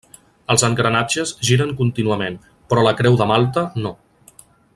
Els engranatges giren contínuament, però la creu de Malta, no.